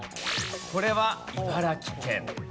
これは茨城県。